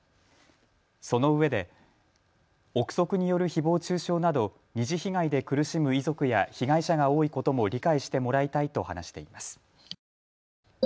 そのうえで臆測によるひぼう中傷など二次被害で苦しむ遺族や被害者が多いことも理解してもらいたいと話しています。